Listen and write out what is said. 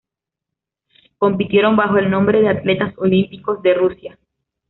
Compitieron bajo el nombre de Atletas Olímpicos de Rusia.